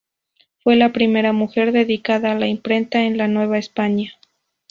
Fue la primera mujer dedicada a la imprenta en la Nueva España.